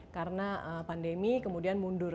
karena pandemi kemudian mundur